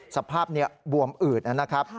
สภาพนี้บวมอืดนะครับ